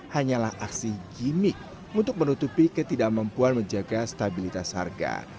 hanyalah aksi gimmick untuk menutupi ketidakmampuan menjaga stabilitas harga